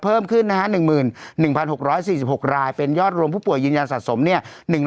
เพิ่มขึ้นนะฮะ๑๑๖๔๖รายเป็นยอดรวมผู้ป่วยยืนยันสะสมเนี่ย